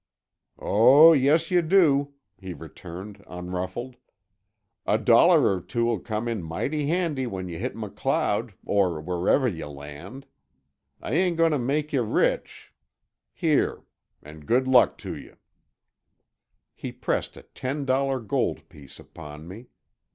"Oh, yes, yuh do," he returned, unruffled. "A dollar or two'll come mighty handy when yuh hit MacLeod, or wherever yuh land. I ain't goin' to make yuh rich. Here, and good luck to yuh." He pressed a ten dollar gold piece upon me.